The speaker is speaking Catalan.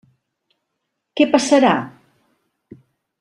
Què passarà?